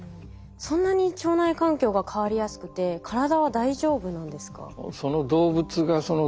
そんなに腸内環境が変わりやすくて体は大丈夫なんですか？